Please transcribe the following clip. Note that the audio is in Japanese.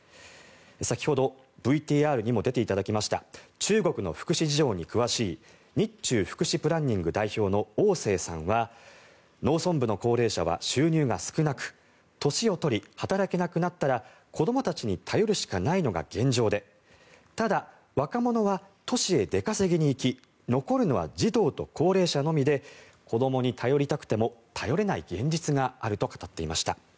先ほどＶＴＲにも出ていただきました中国の福祉事情に詳しい日中福祉プランニング代表のオウ・セイさんは農村部の高齢者は収入が少なく年を取り、働けなくなったら子どもたちに頼るしかないのが現状でただ、若者は都市へ出稼ぎに行き残るのは児童と高齢者のみで子どもに頼りたくても頼れない現実があると語っていました。